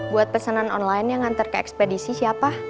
buat pesanan online yang ngantar ke ekspedisi siapa